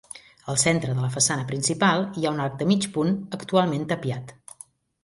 Al centre de la façana principal hi ha un arc de mig punt, actualment tapiat.